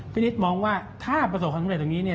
พี่นิดมองว่าถ้าประสบความคุณใดอยู่ตรงนี้เนี่ย